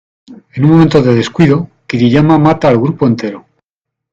En un momento de descuido, Kiriyama mata al grupo entero.